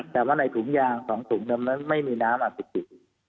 แต่ว่าในถุงยาง๒ถุงนั้นไม่มีน้ำอสุจิ